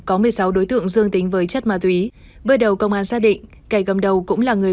có một mươi sáu đối tượng dương tính với chất ma túy bước đầu công an xác định kẻ cầm đầu cũng là người